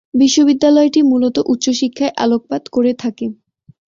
বিশ্ববিদ্যালয়টি মূলত উচ্চ শিক্ষায় আলোকপাত করে থাকে।